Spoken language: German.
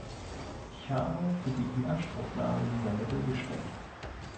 Ich habe für die Inanspruchnahme dieser Mittel gestimmt.